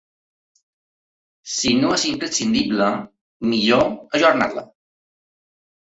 Si no és imprescindible, millor ajornar-la.